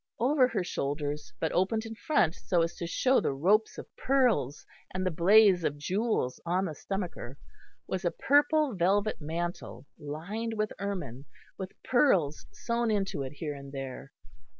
Over her shoulders, but opened in front so as to show the ropes of pearls and the blaze of jewels on the stomacher, was a purple velvet mantle lined with ermine, with pearls sewn into it here and there.